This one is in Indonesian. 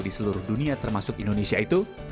di seluruh dunia termasuk indonesia itu